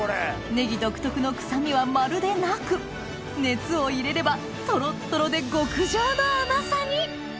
ねぎ独特の臭みはまるでなく熱を入れればトロットロで極上の甘さに！